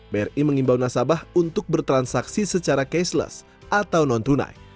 bri mengimbau nasabah untuk bertransaksi secara cashless atau non tunai